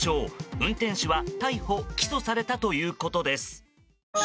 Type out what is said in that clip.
運転手は逮捕・起訴されたということです。